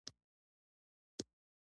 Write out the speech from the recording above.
کروندګر د طبیعت قوانینو ته درناوی لري